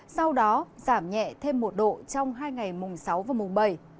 sau đó giảm nhẹ thêm một độ trong hai ngày mùng sáu và mùng bảy